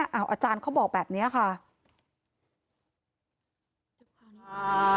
เอาอาจารย์เขาบอกแบบนี้ค่ะ